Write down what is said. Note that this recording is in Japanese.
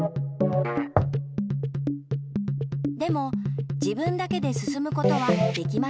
でも自分だけですすむことはできません。